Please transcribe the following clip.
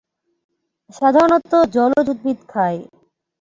সাধারণত জলজ উদ্ভিদ খায়।